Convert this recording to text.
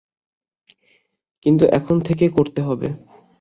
কিন্তু এখন থেকে করতে হবে।